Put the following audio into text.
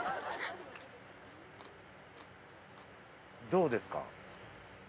どうですか？